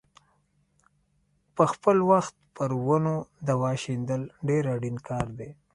په خپل وخت پر ونو دوا شیندل ډېر اړین کار دی.